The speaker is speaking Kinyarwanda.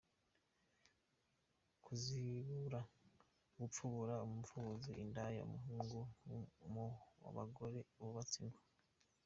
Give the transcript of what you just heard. Kuzibura, gupfubura:Umupfubuzi Indaya y’umuhungu mu abagore bubatse ingo.